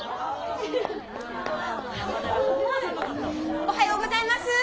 おはようございます！